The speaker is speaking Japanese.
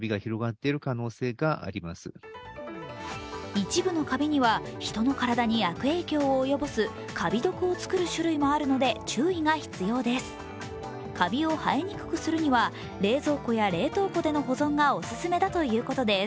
一部のカビには人の体に悪影響を及ぼすカビ毒を作る種類もあるので注意が必要です。